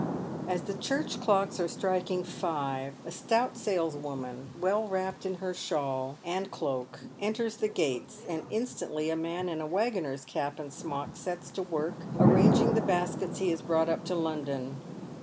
As the church clocks are striking five, a stout saleswoman, well wrapped in her shawl and cloak, enters the gates, and instantly a man in a waggoner's cap and smock sets to work arranging the baskets he lias brought up to London.